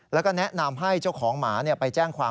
แล้วก็แนะนำให้เจ้าของหมาไปแจ้งความ